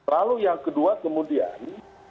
lalu yang kedua kemudian